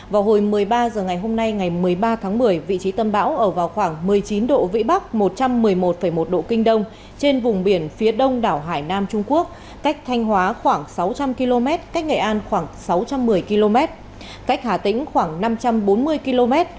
vào hồi một mươi ba h ngày hôm nay ngày một mươi ba tháng một mươi vị trí tâm bão ở vào khoảng một mươi chín độ vĩ bắc một trăm một mươi một một độ kinh đông trên vùng biển phía đông đảo hải nam trung quốc cách thanh hóa khoảng sáu trăm linh km cách nghệ an khoảng sáu trăm một mươi km cách hà tĩnh khoảng năm trăm bốn mươi km